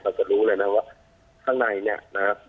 จะรู้เลยนะว่าข้างในเนี่ยนะครับ